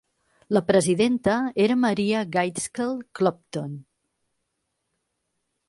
La presidenta era Maria Gaitskell Clopton.